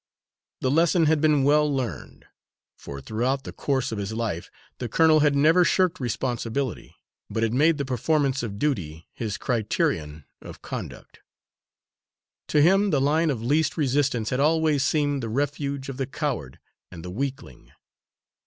The lesson had been well learned, for throughout the course of his life the colonel had never shirked responsibility, but had made the performance of duty his criterion of conduct. To him the line of least resistance had always seemed the refuge of the coward and the weakling.